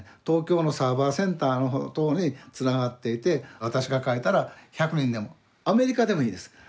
東京のサーバーセンターのところにつながっていて私が書いたら１００人でもアメリカでもいいです。